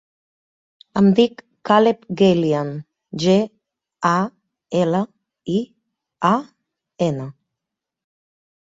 Em dic Caleb Galian: ge, a, ela, i, a, ena.